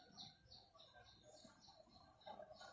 มีเวลาเมื่อเวลาเมื่อเวลา